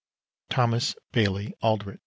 Thomas Bailey Aldrich.